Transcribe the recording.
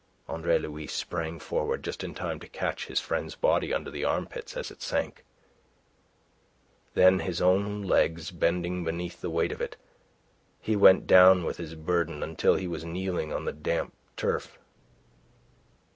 Andre Louis sprang forward just in time to catch his friend's body under the armpits as it sank. Then, his own legs bending beneath the weight of it, he went down with his burden until he was kneeling on the damp turf.